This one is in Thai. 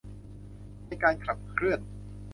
ในการขับเคลื่อน